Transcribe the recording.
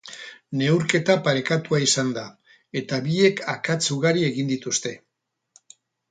Neurketa parekatua izan da, eta biek akats ugari egin dituzte.